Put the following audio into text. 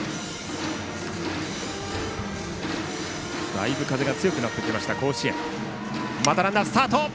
だいぶ風が強くなってきました甲子園。